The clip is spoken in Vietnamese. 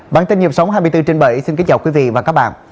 bản tin nhiệm sống hai mươi bốn trên bảy xin kính chào quý vị và các bạn